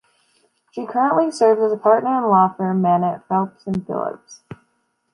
She currently serves as a partner in law firm Manatt, Phelps and Phillips.